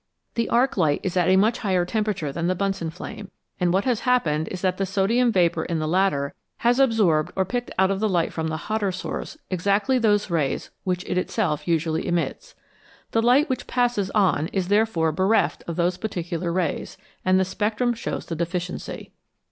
The arc light is at a much higher temperature than the Bunsen flame, and what has happened is that the sodium vapour in the latter has absorbed or picked out of the light from the hotter source exactly those rays which it itself usually emits. The light which passes on is therefore bereft of those particular rays, and the spectrum shows the deficiency.